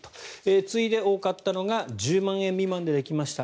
次いで多かったのが１０万円未満でできました